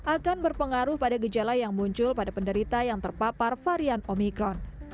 akan berpengaruh pada gejala yang muncul pada penderita yang terpapar varian omikron